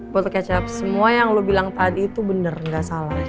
botol kecap semua yang lo bilang tadi tuh bener gak salah